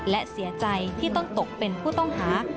และเสียใจที่ต้องตกเป็นผู้ต้องหา